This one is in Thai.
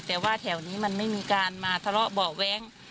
แต่ว่าแถวนี้มันไม่มีการมาทะเลาะเบาะแว้ง